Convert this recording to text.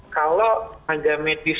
kalau tenaga medis